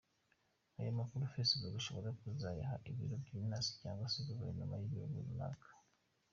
Aya makuru Facebook ishobora kuzayaha ibiro by’intasi cyangwa se guverinoma y’igihugu runaka.